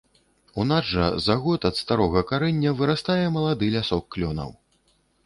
У нас жа за год ад старога карэння вырастае малады лясок клёнаў.